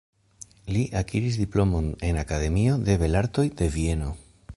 Li akiris diplomon en Akademio de Belartoj de Vieno.